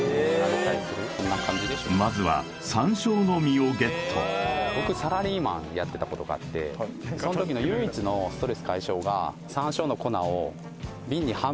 まずは僕サラリーマンやってたことがあってその時の一方っすよね